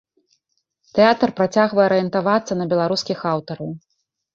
Тэатр працягвае арыентавацца на беларускіх аўтараў.